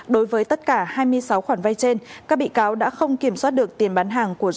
đối với tất cả hai mươi sáu khoản vay trên các bị cáo đã không kiểm soát được tiền bán hàng của